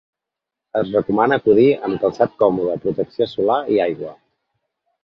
Es recomana acudir amb calçat còmode, protecció solar i aigua.